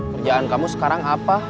kerjaan kamu sekarang apa